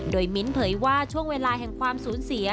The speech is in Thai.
โดยมิ้นท์เผยว่าช่วงเวลาแห่งความสูญเสีย